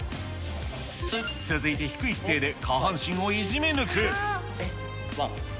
続いて低い姿勢で下半身をいじめぬく。